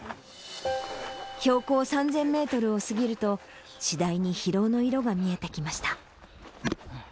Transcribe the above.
標高３０００メートルを過ぎると、次第に疲労の色が見えてきました。